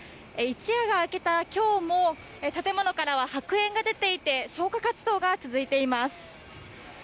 一夜が明けた今日も建物からは白煙が出ていて消火活動が続いています。